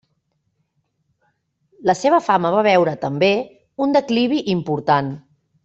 La seva fama va veure, també, un declivi important.